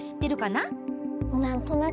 なんとなく。